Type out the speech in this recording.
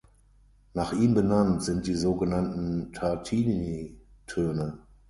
Nach ihm benannt sind die sogenannten Tartini-Töne.